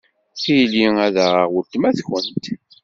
Tili ad aɣeɣ weltma-twent.